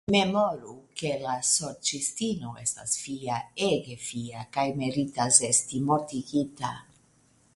Memoru ke la Sorĉistino estas Fia, ege Fia, kaj meritas esti mortigita.